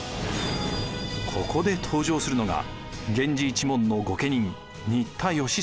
ここで登場するのが源氏一門の御家人新田義貞です。